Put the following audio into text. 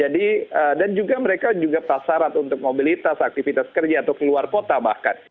dan juga mereka juga tasarat untuk mobilitas aktivitas kerja atau keluar kota bahkan